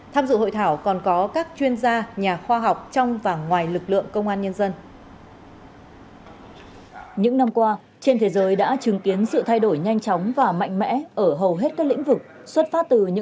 tham dự hội thảo còn có các chuyên gia nhà khoa học trong và ngoài lực lượng công an nhân dân